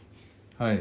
はい。